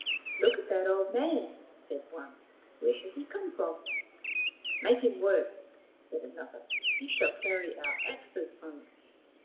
" Look at that old man," said one. " Where has he come from ?" 11 Make him work," said another. " He shall carry our axes home."